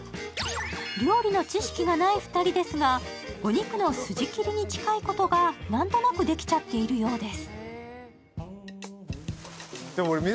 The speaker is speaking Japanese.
料理の知識がない２人ですがお肉の筋切りに近いことが何となく、できちゃっているようです。